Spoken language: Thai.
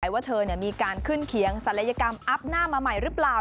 ว่าเธอมีการขึ้นเขียงศัลยกรรมอัพหน้ามาใหม่หรือเปล่า